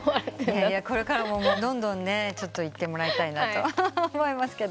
これからもどんどんいってもらいたいなと思います。